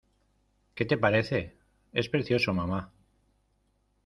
¿ Qué te parece? ¡ es precioso, mamá!